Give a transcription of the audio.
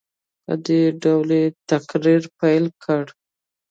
په دې ډول یې تقریر پیل کړ.